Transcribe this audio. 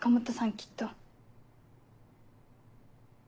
きっと。